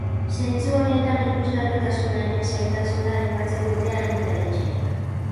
Zentzu honetan, ikusgarritasunaren zailtasuna aipatzen dute argitaletxeek.